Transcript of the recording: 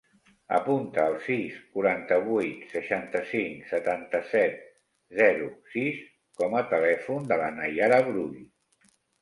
Apunta el sis, quaranta-vuit, seixanta-cinc, setanta-set, zero, sis com a telèfon de la Naiara Brull.